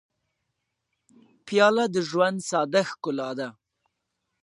پیاله د ژوند ساده ښکلا ده.